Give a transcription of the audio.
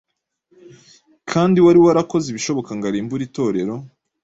kandi wari warakoze ibishoboka ngo arimbure Itorero,